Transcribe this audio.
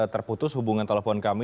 terputus hubungan telepon kami